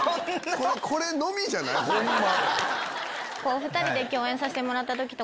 これのみじゃない？ホンマ。